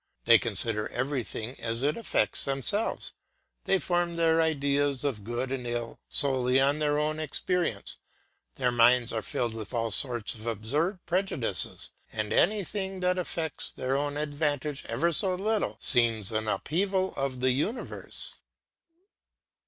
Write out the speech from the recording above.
They consider everything as it affects themselves, they form their ideas of good and ill solely on their own experience, their minds are filled with all sorts of absurd prejudices, and anything which affects their own advantage ever so little, seems an upheaval of the universe.